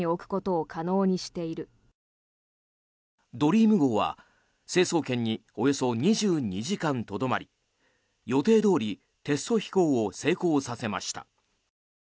圓夢号は成層圏におよそ２２時間とどまり予定どおりテスト飛行を成功させました。